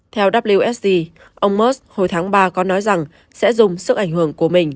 theo wsg ông musk hồi tháng ba có nói rằng sẽ dùng sức ảnh hưởng của mình